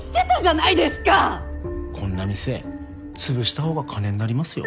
言ってこんな店潰した方が金になりますよ